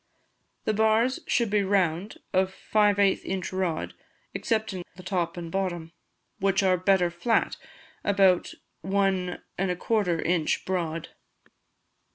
The bars should be round, of five eighth inch rod, excepting the top and bottom, which are better flat, about 1 1/4 in. broad.